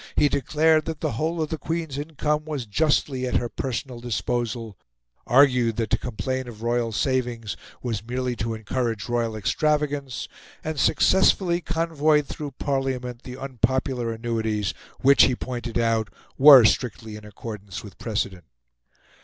He declared that the whole of the Queen's income was justly at her personal disposal, argued that to complain of royal savings was merely to encourage royal extravagance, and successfully convoyed through Parliament the unpopular annuities, which, he pointed out, were strictly in accordance with precedent.